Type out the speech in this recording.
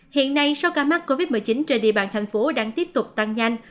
hiện nay số ca mắc covid một mươi chín trên địa bàn thành phố đang tiếp tục tăng nhanh